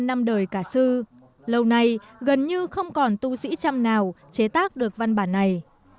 qua năm đời cả sư lâu nay gần như không còn tu sĩ trăm nào chế tác được văn bản này